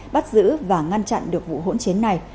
bắt giữ và ngăn chặn được vụ hỗn chiến này